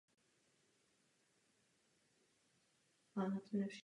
Toto se nejprve odehraje v rámci důležitého Stockholmského programu.